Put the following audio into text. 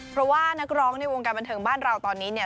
เพราะว่านักร้องในวงการบันเทิงบ้านเราตอนนี้เนี่ย